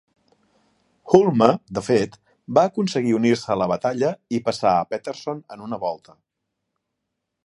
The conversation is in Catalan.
Hulme, de fet, va aconseguir unir-se a la batalla i passar a Peterson en una volta.